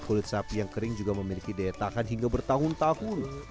kulit sapi yang kering juga memiliki daya tahan hingga bertahun tahun